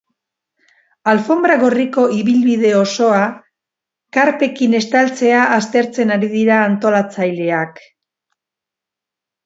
Alfonbra gorriko ibilbide osoa karpekin estaltzea aztertzen ari dira antolatzaileak.